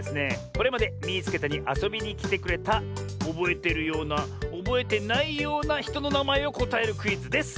これまで「みいつけた！」にあそびにきてくれたおぼえてるようなおぼえてないようなひとのなまえをこたえるクイズです！